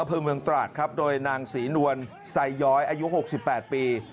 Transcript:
อำเภอเมืองตราดครับโดยนางศรีนวลไซย้อยอายุ๖๘ปี